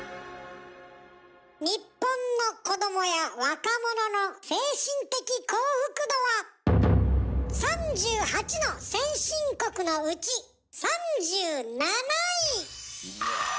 日本の子どもや若者の精神的幸福度は３８の先進国のうち３７位！